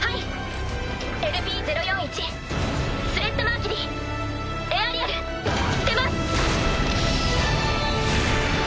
ＬＰ０４１スレッタ・マーキュリーエアリアル出ます！